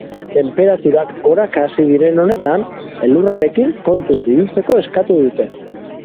Tenperaturak goraka hasi diren honetan, elurrarekin kontuz ibiltzeko eskatu dute.